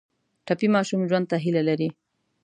ټپي ماشوم ژوند ته هیله لري.